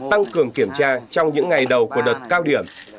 tăng cường kiểm tra trong những ngày đầu của đợt cao điểm